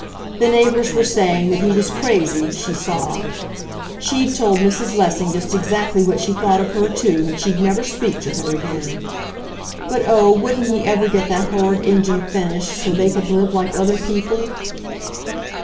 The neighbors were saying that he was crazy, she sobbed. She'd told Mrs. Lessing just exactly what she thought of her, too, and she'd never speak to her again! But, oh, wouldn't he ever get that horrid engine finished so they could live like other people?